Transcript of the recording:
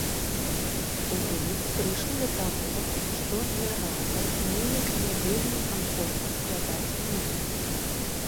У выніку прыйшлі да таго, што не разам неяк не вельмі камфортна складаць музыку.